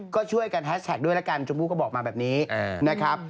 ก็ช่วยกันแฮชแท็กด้วยแล้วกันชมพู่ก็บอกมาแบบนี้นะครับ